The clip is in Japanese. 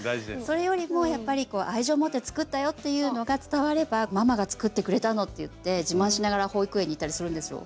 それよりもやっぱり愛情持って作ったよっていうのが伝われば「ママが作ってくれたの」って言って自慢しながら保育園に行ったりするんですよ。